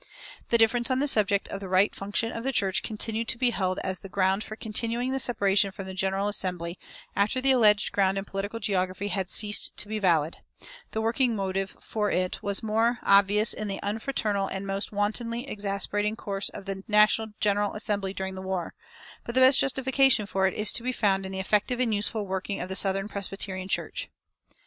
The difference on the subject of the right function of the church continued to be held as the ground for continuing the separation from the General Assembly after the alleged ground in political geography had ceased to be valid; the working motive for it was more obvious in the unfraternal and almost wantonly exasperating course of the national General Assembly during the war; but the best justification for it is to be found in the effective and useful working of the Southern Presbyterian Church.